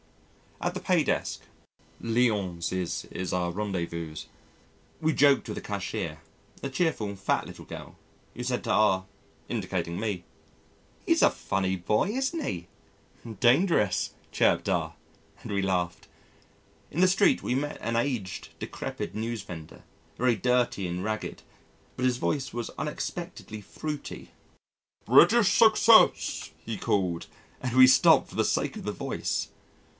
At the pay desk (Lyons' is our rendezvous) we joked with the cashier a cheerful, fat little girl, who said to R (indicating me), "He's a funny boy, isn't he?" "Dangerous," chirped R , and we laughed. In the street we met an aged, decrepit newsvendor very dirty and ragged but his voice was unexpectedly fruity. "British Success," he called, and we stopped for the sake of the voice.